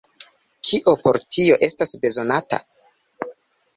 Kio por tio estas bezonata?